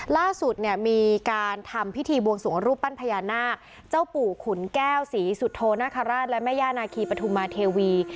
ล่าสุดเนี่ยมีการทำพิธีบวงสวงรูปปั้นพญานาคเจ้าปู่ขุนแก้วศรีสุโธนาคาราชและแม่ย่านาคีปฐุมาเทวี